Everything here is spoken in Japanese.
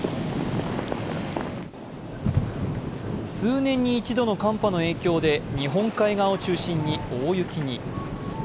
数年に一度の寒波の影響で日本海側を中心に大雪に。